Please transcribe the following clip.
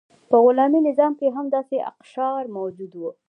په غلامي نظام کې هم داسې اقشار موجود وو.